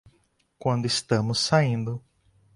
Quando estamos saindo